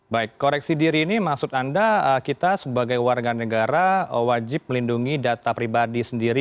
baik koreksi diri ini maksud anda kita sebagai warga negara wajib melindungi data pribadi sendiri